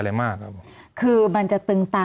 มีความรู้สึกว่ามีความรู้สึกว่า